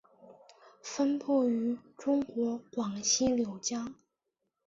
分布于中国广西柳江。